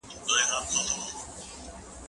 زه اوږده وخت کتابونه لوستل کوم!؟